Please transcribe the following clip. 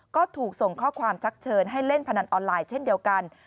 ก็ถูกส่งข้อความชักเชิญให้เล่นพนันออนไลน์เช่นเดียวกัน